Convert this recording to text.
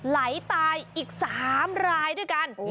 ไหลตายอีก๓รายด้วยกัน